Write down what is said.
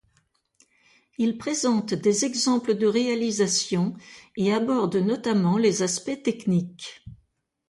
Il présente des exemples de réalisations et aborde notamment les aspects techniques.